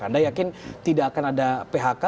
anda yakin tidak akan ada phk